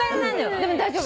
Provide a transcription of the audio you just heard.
でも大丈夫。